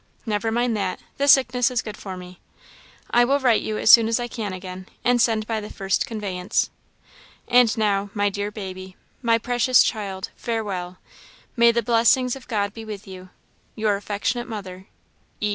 Never mind that; the sickness is good for me. "I will write you as soon as I can again, and send by the first conveyance. "And now, my dear baby my precious child farewell! May the blessings of God be with you! Your affectionate mother, "E.